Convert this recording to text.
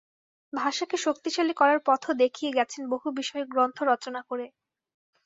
ভাষাকে শক্তিশালী করার পথও দেখিয়ে গেছেন বহু বিষয়ে গ্রন্থ রচনা করে।